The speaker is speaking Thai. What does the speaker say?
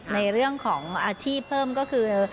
ในเรื่องของอาชีพเพิ่มก็คือ